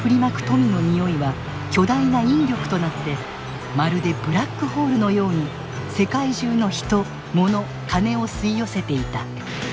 富のにおいは巨大な引力となってまるでブラックホールのように世界中のヒト・モノ・カネを吸い寄せていた。